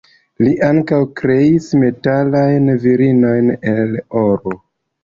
Li ankaŭ kreis metalajn virinojn el oro.